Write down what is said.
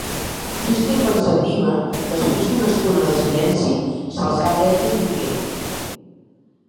Trista i pensativa, després d'una estona de silenci, s'alçà dreta i digué: